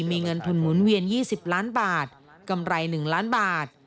มีเงินทุนหมุนเวียน๒๐ล้านบาทกำไร๑ล้านบาท